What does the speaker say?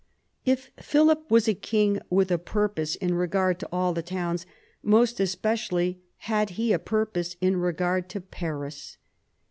If Philip was a king with a purpose in regard to all the towns, most especially had he a purpose in regard to Paris.